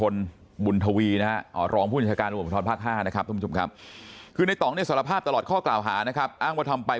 นะครับทุกครับคือในตองที่สารภาพตลอดข้อกล่าวหานะครับอ้างมาทำไป